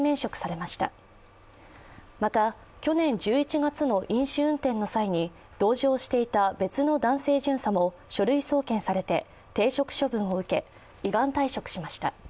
また、去年１１月の飲酒運転の際に同乗していた男性巡査も書類送検されて停職処分を受け依願退職しました。